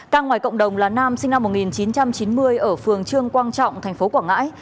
ca ngoài cộng đồng là nam sinh năm một nghìn chín trăm chín mươi ở phường trương quang trọng thành phố quảng ngãi